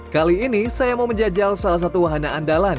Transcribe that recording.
kali ini saya mau menjajal salah satu wahana andalan